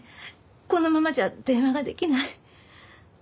このままじゃ電話ができない。